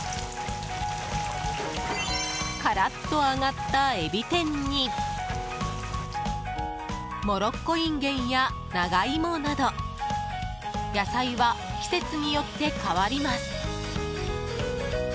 カラッと揚がった、えび天にモロッコインゲンや、長芋など野菜は季節によって変わります。